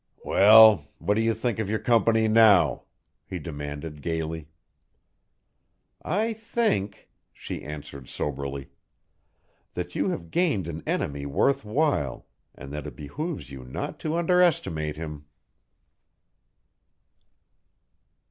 "Well, what do you think of your company now?" he demanded gayly. "I think," she answered soberly, "that you have gained an enemy worth while and that it behooves you not to underestimate him."